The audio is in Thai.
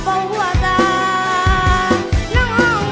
น่องสงสารใจจ้าพอง